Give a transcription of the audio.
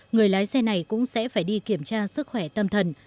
người lái xe này cũng sẽ phải đi kiểm tra sức khỏe tâm thần